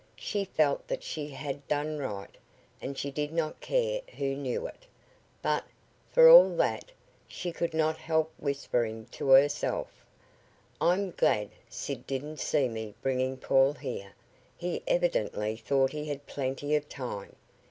She felt that she had done right, and she did not care who knew it. But, for all that, she could not help whispering to herself: "I'm glad Sid didn't see me bringing Paul here. He evidently thought he had plenty of time.